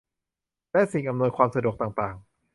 และสิ่งอำนวยความสะดวกต่างต่าง